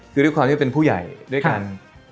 คือด้วยความที่เป็นผู้ใหญ่ด้วยกัน